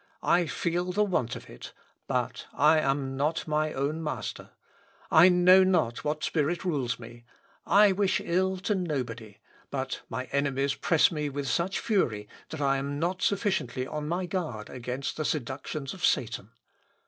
I feel the want of it; but I am not my own master: I know not what spirit rules me. I wish ill to nobody; but my enemies press me with such fury that I am not sufficiently on my guard against the seductions of Satan.